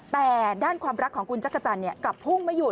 แต่ด้านความรักของคุณจักรจันทร์กลับพุ่งไม่อยู่